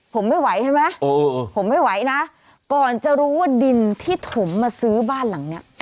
ผมไม่ไหวใช่ไหมผมไม่ไหวนะก่อนจะรู้ว่าดินที่ถมมาซื้อบ้านหลังเนี้ย